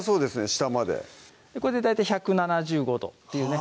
下までこれで大体１７５度っていうね